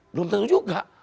belum tentu juga